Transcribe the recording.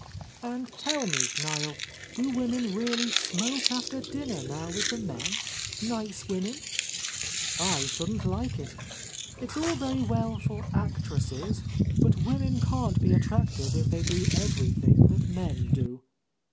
"And tell me, Niel, do women really smoke after dinner now with the men, nice women? I shouldn't like it. It's all very well for actresses, but women can't be attractive if they do every thing that men do."